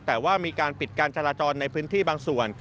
แต่ว่ามีการปิดการจราจรในพื้นที่บางส่วน